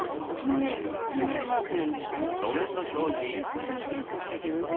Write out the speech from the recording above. こんな薄れちゃったけどね。